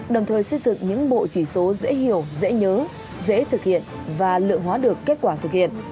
đồng thời xây dựng những bộ chỉ số dễ hiểu dễ nhớ dễ thực hiện và lượng hóa được kết quả thực hiện